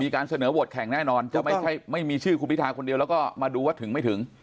การเสนอโหวตแข่งแน่นอนจะไม่ใช่ไม่มีชื่อคุณพิทาคนเดียวแล้วก็มาดูว่าถึงไม่ถึง